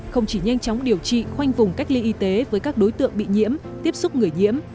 không chỉ nhanh chóng điều trị khoanh vùng cách ly y tế với các đối tượng bị nhiễm tiếp xúc người nhiễm